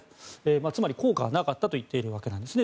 つまり効果がなかったと言っているわけなんですね。